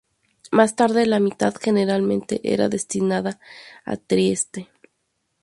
Más tarde, la mitad generalmente era destinada a Trieste.